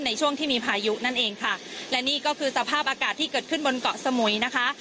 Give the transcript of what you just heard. ในช่วงที่มีพายุนั่นเองค่ะและนี่ก็คือสภาพอากาศที่เกิดขึ้นบนเกาะสมุยนะคะ